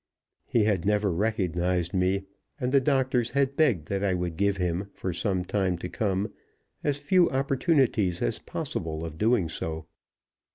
He had never recognized me, and the doctors had begged that I would give him, for some time to come, as few opportunities as possible of doing so.